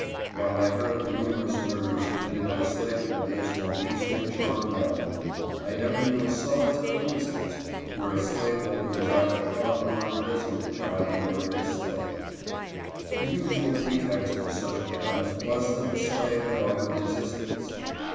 While I heard of numerous murders committed by slaveholders on the eastern shore of Maryland, I never knew a solitary 82 NO REDRESS. instance where a slaveholder was either hung or imprisoned for having murdered a slave. The usual pretext for such crimes was that the slave had offered resistance.